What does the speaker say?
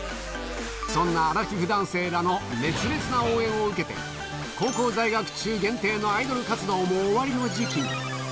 そんなアラフィフ男性らの熱烈な応援を受けて、高校在学中限定のアイドル活動も終わりの時期に。